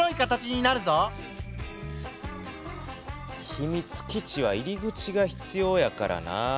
ひみつ基地は入り口が必要やからな。